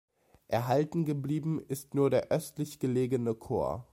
Erhalten geblieben ist nur der östlich gelegene Chor.